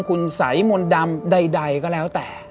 คุณสัยมนต์ดำใดก็แล้วแต่